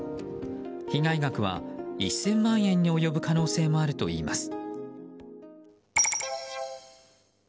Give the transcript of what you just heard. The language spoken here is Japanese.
被害額は１０００万円に及ぶ可能性もあるといいます。